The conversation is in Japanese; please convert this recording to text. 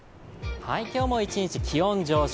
今日も一日、気温上昇